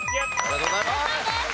ありがとうございます。